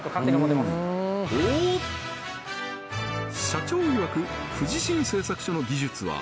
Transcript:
社長いわく不二新製作所の技術は